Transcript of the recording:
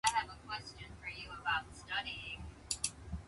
海老で鯛を釣る